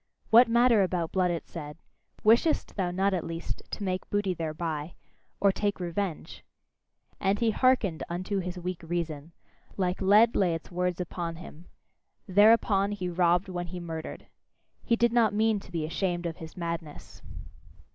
"What matter about blood!" it said; "wishest thou not, at least, to make booty thereby? Or take revenge?" And he hearkened unto his weak reason: like lead lay its words upon him thereupon he robbed when he murdered. He did not mean to be ashamed of his madness.